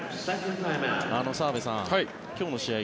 澤部さん、今日の試合